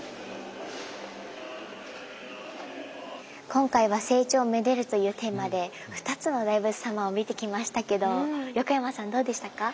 今回は「成長を愛でる」というテーマで２つの大仏様を見てきましたけど横山さんどうでしたか？